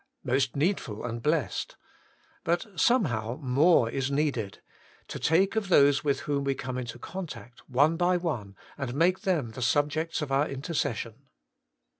Most needful and blessed. But somehow more is needed — to take of those with whom we come into contact, one by one, and make them the subjects of our intercession.